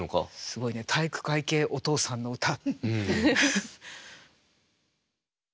すごいね体育会系お父さんの歌。